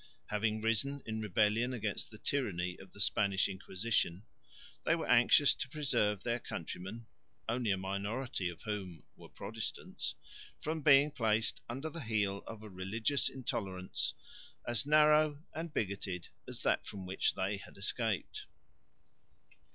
Having risen in rebellion against the tyranny of the Spanish Inquisition, they were anxious to preserve their countrymen (only a minority of whom were Protestants) from being placed under the heel of a religious intolerance as narrow and bigoted as that from which they had escaped.